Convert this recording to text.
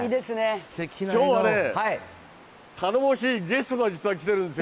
きょうはね、頼もしいゲストが、実は来てるんですよ。